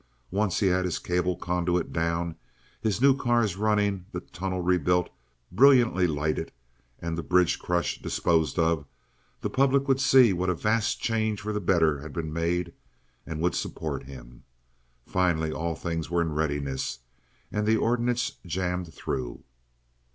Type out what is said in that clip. Once he had his cable conduit down, his new cars running, the tunnel rebuilt, brilliantly lighted, and the bridge crush disposed of, the public would see what a vast change for the better had been made and would support him. Finally all things were in readiness and the ordinance jammed through.